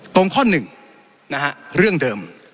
ตรงข้อนึงเรื่องเดิม